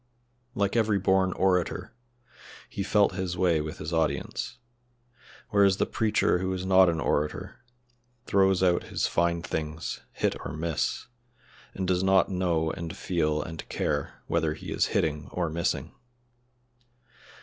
Like every born orator, he felt his way with his audience, whereas the preacher who is not an orator throws out his fine things, hit or miss, and does not know and feel and care whether he is hitting or missing.